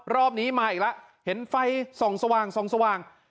รอบนี้มาอีกแล้วเห็นไฟส่องสว่าง